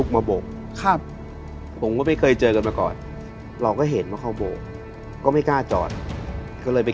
มาหาเขาอีกที